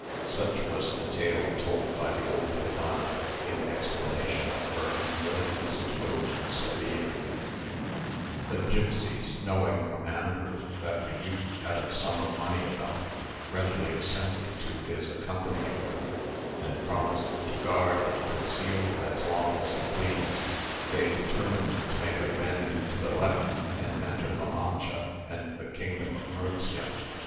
Such was the tale told by the old gitana, in explanation of her unwillingness to go to Seville. The gipsies, knowing from Andrew that the youth had a sum of money about him, readily assented to his accompanying them, and promised to guard and conceal him as long as he pleased. They determined to make a bend to the left, and enter La Mancha and the kingdom of Murcia.